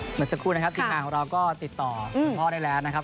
เหมือนสักครู่นะครับติดต่อคุณพ่อได้แล้วนะครับ